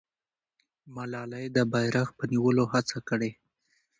ملالۍ د بیرغ په نیولو هڅه کړې.